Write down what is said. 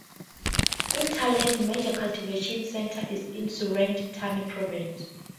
In Thailand, major cultivation center is in Surat Thani Province.